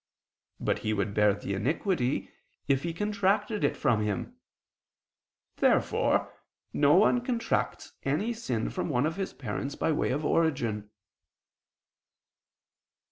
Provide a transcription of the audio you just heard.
But he would bear the iniquity if he contracted it from him. Therefore no one contracts any sin from one of his parents by way of origin.